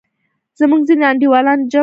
زموږ ځینې انډیوالان چم وکړ.